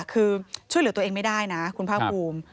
คือช่วยเหลือตัวเองไม่ได้นะคุณภาคภูมิ